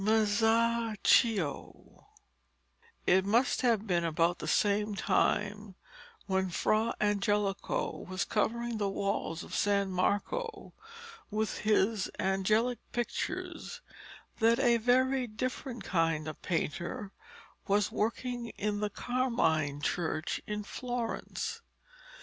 MASACCIO It must have been about the same time when Fra Angelico was covering the walls of San Marco with his angel pictures, that a very different kind of painter was working in the Carmine church in Florence.